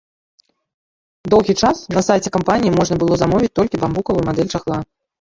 Доўгі час на сайце кампаніі можна было замовіць толькі бамбукавую мадэль чахла.